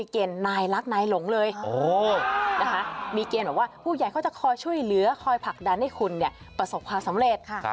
เขาจะคอยช่วยเหลือคอยผลักดันให้คุณประสบความสำเร็จ